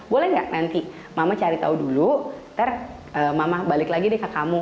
boleh nggak nanti mama cari tahu dulu ntar mama balik lagi deh ke kamu